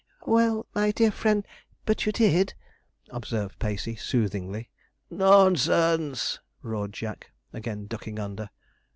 'Well, my dear friend, but you did,' observed Pacey soothingly. 'Nonsense!' roared Jack, again ducking under.